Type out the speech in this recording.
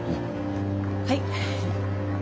はい。